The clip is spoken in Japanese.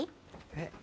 えっ？